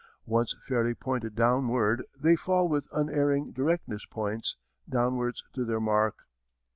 Once fairly pointed downward they fall with unerring directness points downward to their mark.